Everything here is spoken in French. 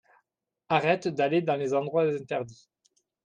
arrête d'aller dans les endroits interdits.